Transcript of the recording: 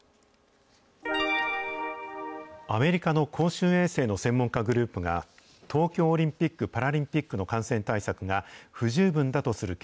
アメリカの公衆衛生の専門家グループが、東京オリンピック・パラリンピックの感染対策が不十分だとする見